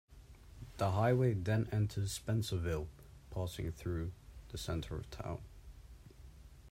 The highway then enters Spencerville, passing through the center of town.